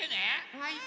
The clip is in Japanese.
はい。